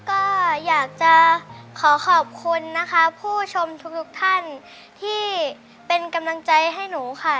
ก็อยากจะขอขอบคุณนะคะผู้ชมทุกท่านที่เป็นกำลังใจให้หนูค่ะ